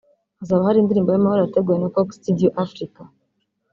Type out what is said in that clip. hazaba hari indirimbo y’amahoro yateguwe na Coke Studio Afrika